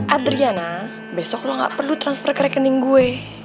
adriana besok lo gak perlu transfer ke rekening gue